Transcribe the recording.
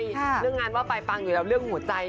เรื่องงานว่าไปปังอยู่แล้วเรื่องหัวใจ